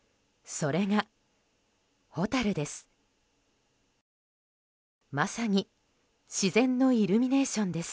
それが、ホタルです。